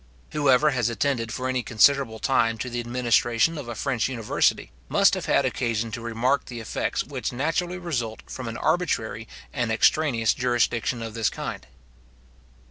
Whoever has attended for any considerable time to the administration of a French university, must have had occasion to remark the effects which naturally result from an arbitrary and extraneous jurisdiction of this kind.